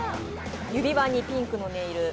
指輪にピンクのネイル。